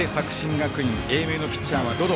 学院英明のピッチャーは百々。